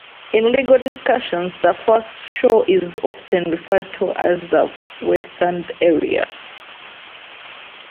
In legal discussions, the foreshore is often referred to as the "wet-sand area".